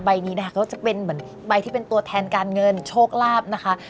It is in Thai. นี้นะคะก็จะเป็นเหมือนใบที่เป็นตัวแทนการเงินโชคลาภนะคะ